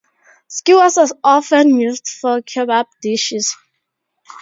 Skewers are often used for kebab dishes.